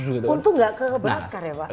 untung nggak kebakar ya pak